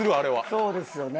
そうですよね。